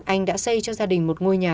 anh đã xây cho gia đình một ngôi nhà